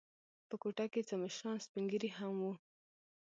په کوټه کې څه مشران سپین ږیري هم و.